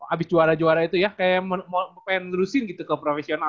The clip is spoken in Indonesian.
abis juara juara itu ya kayak pengen terusin gitu ke profesional ya